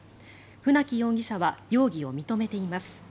船木容疑者は容疑を認めています。